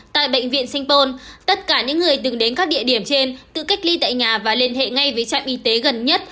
tất cả những người từng đến các địa điểm trên tự cách ly tại nhà và liên hệ ngay với trạm y tế gần nhất